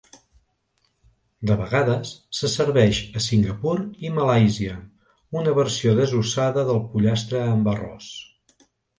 De vegades se serveix a Singapur i Malàisia una versió desossada del pollastre amb arròs.